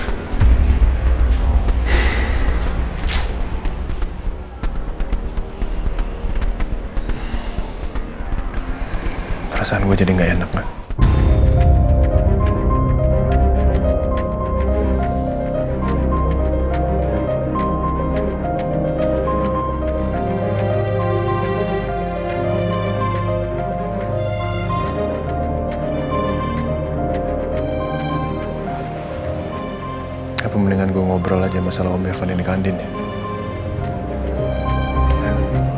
apa mendingan gue ngobrol aja masalah om irfan ini ke andin ya